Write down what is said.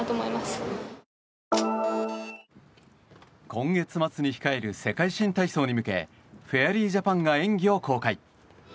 今月末に控える世界新体操に向けフェアリージャパンが演技を公開。